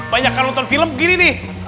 banyak yang nonton film begini nih